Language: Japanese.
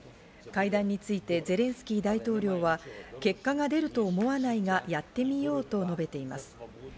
会談についてゼレンスキー大統領は結果が出ると思わないがやってみようと述べています。